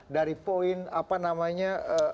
dari poin apa namanya